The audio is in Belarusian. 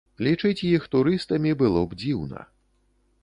Лічыць іх турыстамі было б дзіўна.